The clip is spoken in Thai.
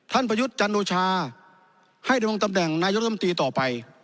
ท่านประยุทธ์จันทรวชาให้ตรงตำแหน่งนายธรรมตีต่อไป